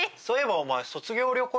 そういえばお前。